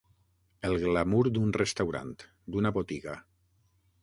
El glamur d'un restaurant, d'una botiga.